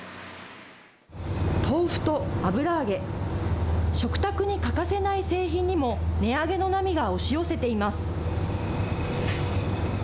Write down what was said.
豆腐と油揚げ、食卓に欠かせない製品にも値上げの波が押し寄せています。